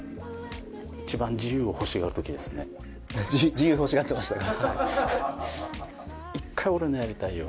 自由欲しがってましたね。